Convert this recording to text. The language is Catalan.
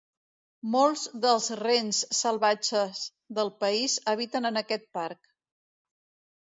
Molts dels rens salvatges del país, habiten en aquest parc.